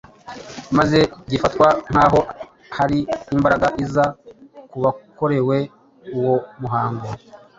maze gifatwa nk’aho hari imbaraga iza ku bakorewe uwo muhango,